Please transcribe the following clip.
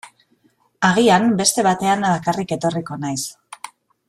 Agian beste batean bakarrik etorriko naiz.